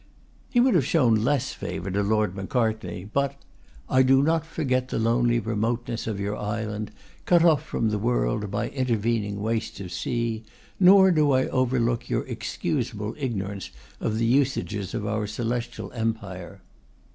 He would have shown less favour to Lord Macartney, but "I do not forget the lonely remoteness of your island, cut off from the world by intervening wastes of sea, nor do I overlook your excusable ignorance of the usages of our Celestial Empire."